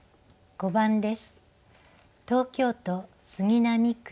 ５番です。